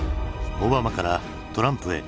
オバマからトランプへ。